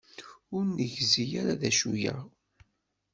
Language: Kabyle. Ur negzi ara d acu-aɣ.